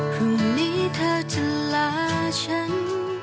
พรุ่งนี้เธอจะลาฉัน